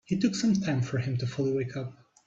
It took some time for him to fully wake up.